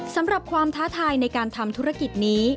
สำหรับความท้าทายในการทำธุรกิจนี้